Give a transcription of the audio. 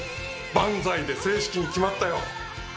「バンザイ」で正式に決まったよ。